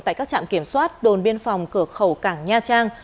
tại các trạm kiểm soát đồn biên phòng cửa khẩu cảng nha trang